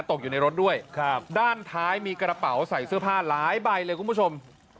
ตกอยู่ในรถด้วยครับด้านท้ายมีกระเป๋าใส่เสื้อผ้าหลายใบเลยคุณผู้ชม